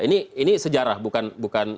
ini sejarah bukan